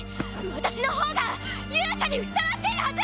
私の方が勇者にふさわしいはず！